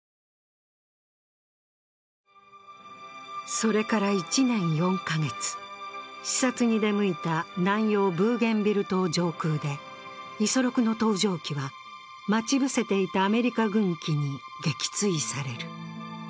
それから１年４カ月、視察に出向いた南洋ブーゲンビル島上空で五十六の搭乗機は待ち伏せていたアメリカ軍機に撃墜される。